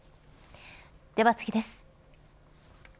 では次です。